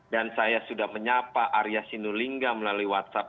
dan saya sudah menyapa arya sinulinga melalui whatsapp